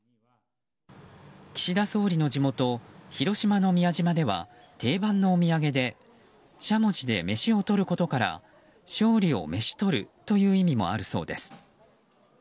岸田総理の地元・広島の宮島では定番のお土産でしゃもじで飯を取ることから勝利をめしとるという意味もあるそうです。